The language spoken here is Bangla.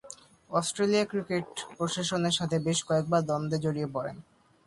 অস্ট্রেলিয়া ক্রিকেট প্রশাসনের সাথে বেশ কয়েকবার দ্বন্দ্বে জড়িয়ে পড়েন।